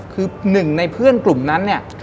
คือหนึ่งในเพื่อนกลุ่มนั้นเนี่ย